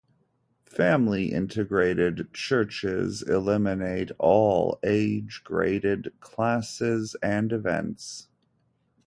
Family integrated churches eliminate all age-graded classes and events.